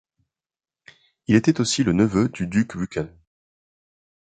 Il était aussi le neveu du duc Vukan.